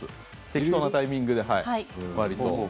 適当なタイミングで、わりと。